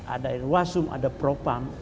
ada wasum ada propam